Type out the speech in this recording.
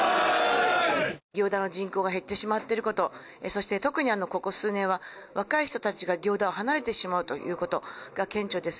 行田の人口が減ってしまっていること、そして特にここ数年は、若い人たちが行田を離れてしまうということが顕著です。